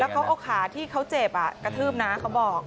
เขาเอาขาที่เขาเจ็บกระทืบนะเขาบอก